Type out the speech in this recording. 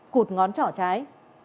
cụt ngón trỏ trái